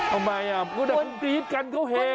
เอาไม่อ่ะพูดแบบคุณพีชกันเขาเฮกอ่ะ